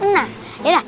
nah ya udah